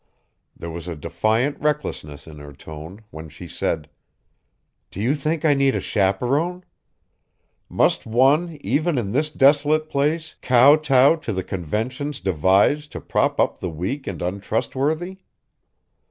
There was a defiant recklessness in her tone when she said: "Do you think I need a chaperone? Must one, even in this desolate place, kow tow to the conventions devised to prop up the weak and untrustworthy?